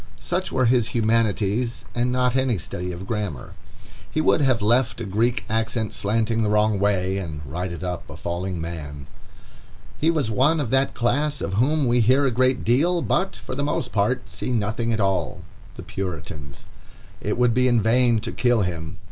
Such were his humanities, and not any study of grammar. He would have left a Greek accent slanting the wrong way, and righted up a falling man. He was one of that class of whom we hear a great deal, but, for the most part, see nothing at all—the Puritans. It would be in vain to kill him.